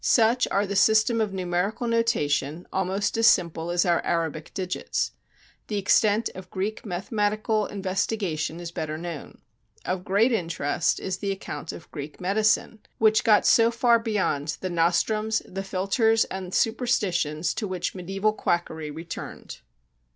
Such are the system of numerical notation, almost as simple as our Arabic digits. The extent of Greek mathematical investigation is better known. Of great interest is the account of Greek medicine, which got so far beyond the nostrums, the philtres and superstitions to which medieval quackery returned.